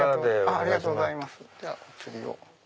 ありがとうございますお釣りを。